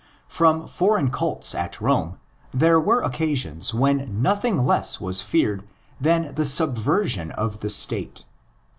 From foreign cults at Rome there were occasions when nothing less was feared than the subversion of the State.